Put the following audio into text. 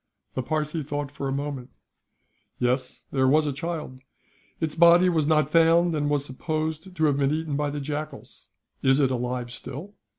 The Parsee thought for a moment. "Yes, there was a child. Its body was not found, and was supposed to have been eaten by the jackals. Is it alive still?"